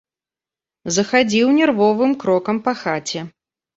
Захадзіў нервовым крокам па хаце.